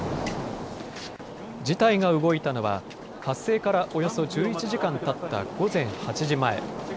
事態が動いたのは、発生からおよそ１１時間たった午前８時前。